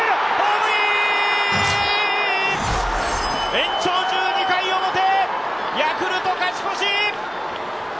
延長１２回表、ヤクルト勝ち越し！